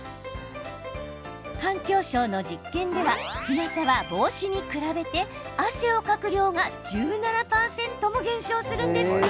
環境省の実験では日傘は帽子に比べて汗をかく量が１７％も減少するんですって。